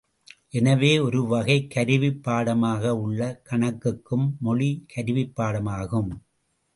எனவே, ஒருவகைக் கருவிப் பாடமாக உள்ள கணக்குக்கும் மொழி கருவிப்பாடமாகும்.